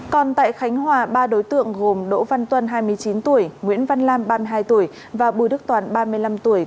còn tại khánh hòa ba đối tượng gồm đỗ văn tuân hai mươi chín tuổi nguyễn văn lam ba mươi hai tuổi và bùi đức toàn ba mươi năm tuổi